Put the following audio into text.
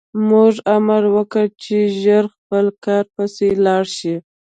موږ امر وکړ چې ژر خپل کار پسې لاړ شي